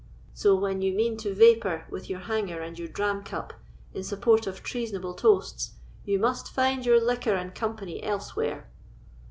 So, when you mean to vapour with your hanger and your dram cup in support of treasonable toasts, you must find your liquor and company elsewhere."